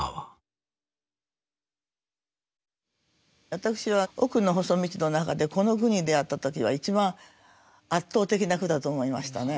私は「おくのほそ道」の中でこの句に出会った時は一番圧倒的な句だと思いましたね。